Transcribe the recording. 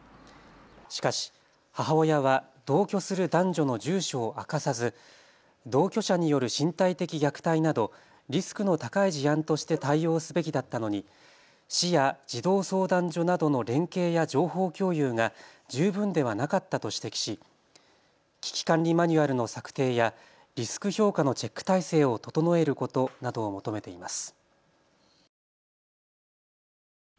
しかし母親は同居する男女の住所を明かさず、同居者による身体的虐待などリスクの高い事案として対応すべきだったのに市や児童相談所などの連携や情報共有が十分ではなかったと指摘し危機管理マニュアルの策定やリスク評価のチェック体制を整えることなどを求めています。